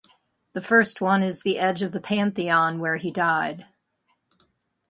The first one is the edge of the pantheon where he died.